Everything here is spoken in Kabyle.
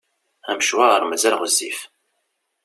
Amecwar mazal ɣezzif.